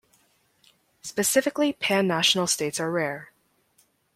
Specifically pan-national states are rare.